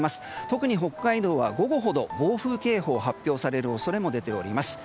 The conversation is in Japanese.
特に北海道は午後ほど暴風警報が発表される恐れも出ております。